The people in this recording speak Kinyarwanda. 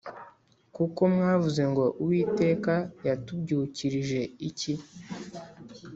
Kuko mwavuze ngo “Uwiteka yatubyukirije iki?”